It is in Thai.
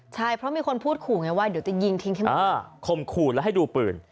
ใช่เพราะมีคนพูดขู่ไงว่าเดี๋ยวจะยิงทิ้งใช่ไหมคมขู่แล้วให้ดูปืน